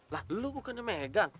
lah lo kan yang megang